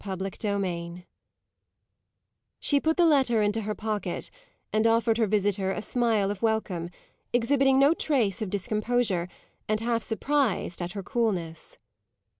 CHAPTER XII She put the letter into her pocket and offered her visitor a smile of welcome, exhibiting no trace of discomposure and half surprised at her coolness.